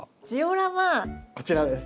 こちらです。